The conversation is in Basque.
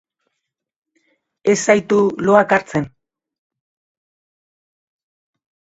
Ez zaitu loak hartzen?